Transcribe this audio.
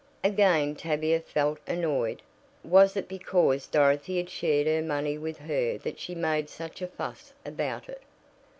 Again Tavia felt annoyed. Was it because Dorothy had shared her money with her that she made such a fuss about it?